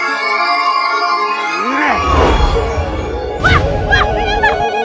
kok malah kena bunga sih bos